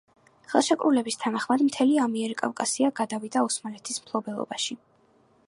ხელშეკრულების თანახმად მთელი ამიერკავკასია გადავიდა ოსმალეთის მფლობელობაში.